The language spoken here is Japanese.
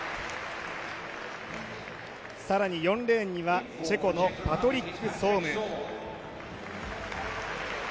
更に４レーンには、チェコのパトリック・ソーム。